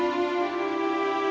raja pun langsung bangkit